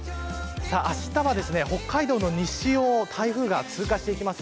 あしたは北海道の西を台風が通過していきます。